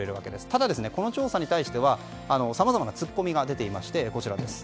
ただ、この調査に対してはさまざまなツッコミが出ています。